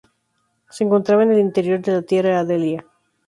Se encontraba en el interior de la Tierra Adelia.